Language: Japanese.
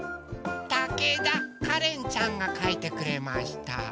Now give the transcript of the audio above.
たけだかれんちゃんがかいてくれました。